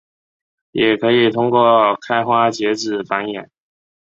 也可以通过开花结籽繁衍。